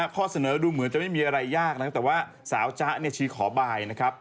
ข้อเสนอดูเหมือนจะไม่มีอะไรยากนะครับแต่ว่าสาวจ๊ะชี้ขอบายนะครับ